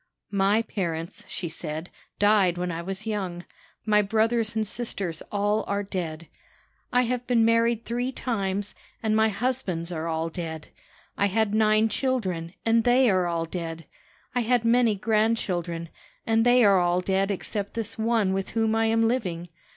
"'My parents,' she said, 'died when I was young My brothers and sisters all are dead. I have been married three times, and my husbands are all dead. I had nine children, and they are all dead. I had many grandchildren, and they are all dead except this one with whom I am living.